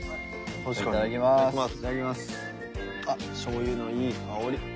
あっしょうゆのいい香り。